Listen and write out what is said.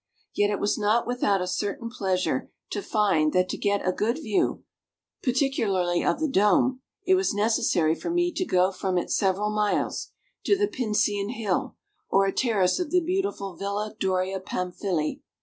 Yet it was not without a certain pleasure to find that to get a good view, particularly of the dome, it was necessary for me to go from it several miles to the Pincian hill, or a terrace of the beautiful Villa Doria Pamfili.